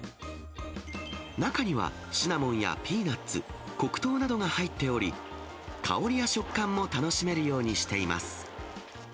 中には、シナモンやピーナッツ、黒糖などが入っており、香りや食感も楽しめるようにしています。